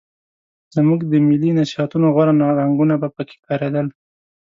زموږ د ملي نصیحتونو غوره رنګونه به پکې ښکارېدل.